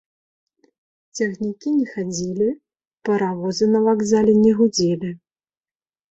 Цягнікі не хадзілі, паравозы на вакзале не гудзелі.